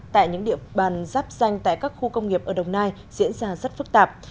tại những địa bàn giáp danh tại các khu công nghiệp ở đồng nai diễn ra rất phức tạp